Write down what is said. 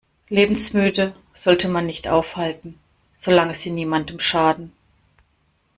Lebensmüde sollte man nicht aufhalten, solange sie niemandem schaden.